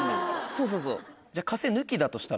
そうそうそう。